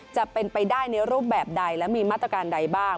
จะเป็นไปได้ในรูปแบบใดและมีมาตรการใดบ้าง